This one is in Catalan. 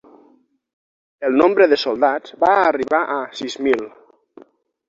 El nombre de soldats va arribar a sis mil.